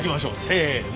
せの。